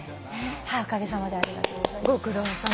おかげさまでありがとうございます。